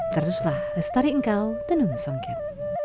teruslah lestari engkau tenun songket